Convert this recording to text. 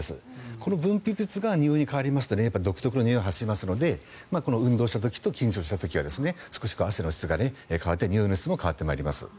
こういう分泌物が汗に代わりますと独特なにおいを発生しますので運動した時と緊張したときは少し汗の質が変わってにおいの質も変わってまいります。